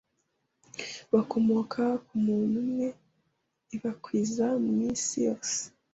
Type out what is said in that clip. bakomoka ku muntu umwe, ibakwiza mu isi yose